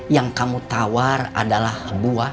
yang kamu tawar adalah buah